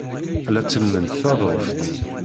La tellment taḍuft.